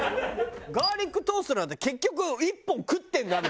ガーリックトーストなんて結局１本食ってんなみたいな。